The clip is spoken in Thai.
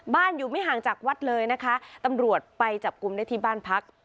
อยู่ไม่ห่างจากวัดเลยนะคะตำรวจไปจับกลุ่มได้ที่บ้านพัก